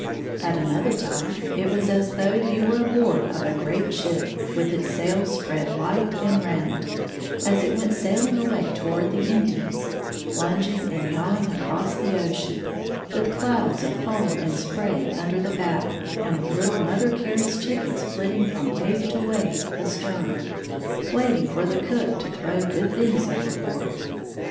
At another time it was as though he was aboard 62 of a great ship, with its sails spread white and round, as it went saiUng away toward the Indies ; plunging and yawing across the ocean, with clouds of foain and spray under the bow, and with little Mother Carey's chickens flitting from wave to wave astern, waiting for the cook to throw good thmgs overboard.